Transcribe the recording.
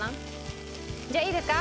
じゃあいいですか？